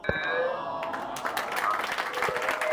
এখনো কিছু বলা যাচ্ছে না।